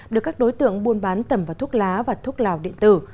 được các đối tượng buôn bán tầm vào thuốc lá và thuốc lào điện tử